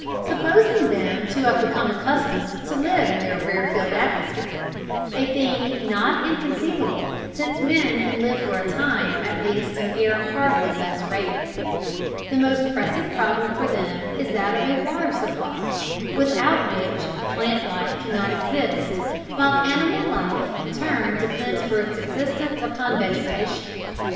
Supposing them to have become accustomed to live in their rarefied atmosphere (a thing not inconceivable, since men can live for a time at least in air hardly less rare), the most pressing problem for them is that of a water supply, without which plant life cannot exist, while animal life in turn depends for its existence upon vegetation.